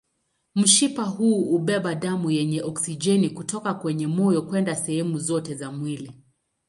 Mshipa huu hubeba damu yenye oksijeni kutoka kwenye moyo kwenda sehemu zote za mwili.